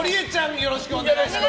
よろしくお願いします！